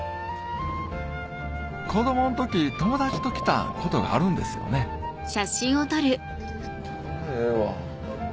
子どもの時友達と来たことがあるんですよねええわ。